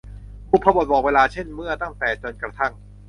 บุพบทบอกเวลา เช่น เมื่อ ตั้งแต่ จนกระทั่ง